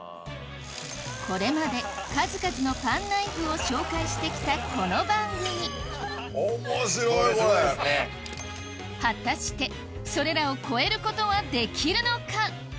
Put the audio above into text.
これまで数々のパンナイフを紹介してきたこの番組果たしてそれらを超えることはできるのか？